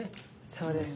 そうですよ。